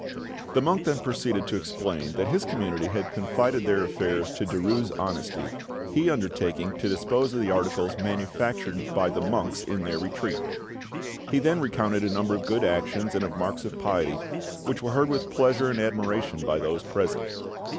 The monk then proceeded to explain that his community had confided their affairs to Derues' honesty, he undertaking to dispose of the articles manufactured by the monks in their retreat. He then recounted a number of good actions and of marks of piety, which were heard with pleasure and admiration by those present.